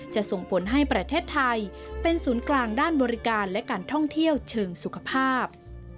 ส่งผลให้ประเทศไทยเป็นศูนย์กลางด้านบริการและการท่องเที่ยวเชิงสุขภาพ